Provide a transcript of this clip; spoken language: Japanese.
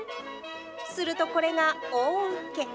するとこれが大うけ。